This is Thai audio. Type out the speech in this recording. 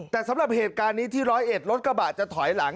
แต่สำหรับเหตุการณ์นี้ที่ร้อยเอ็ดรถกระบะจะถอยหลัง